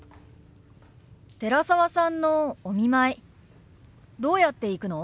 寺澤さんのお見舞いどうやって行くの？